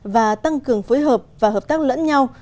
và tăng cường phối hợp và hợp tác lẫn nhau